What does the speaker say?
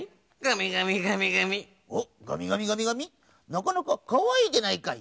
なかなかかわいいじゃないかい。